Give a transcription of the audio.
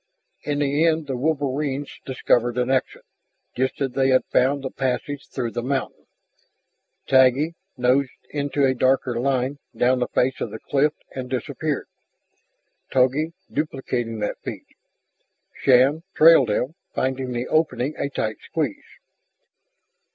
In the end the wolverines discovered an exit, just as they had found the passage through the mountain. Taggi nosed into a darker line down the face of the cliff and disappeared, Togi duplicating that feat. Shann trailed them, finding the opening a tight squeeze.